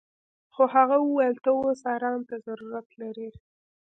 خو هغه وويل ته اوس ارام ته ضرورت لري.